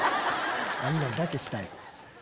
あんなんだけしたい。